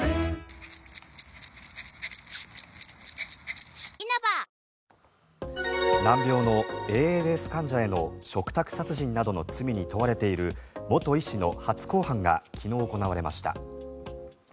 タイトル戦の連続で緊張の日々なので難病のＡＬＳ患者への嘱託殺人などの罪に問われている元医師の初公判が昨日、行われました。